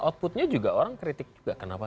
outputnya juga orang kritik juga kenapa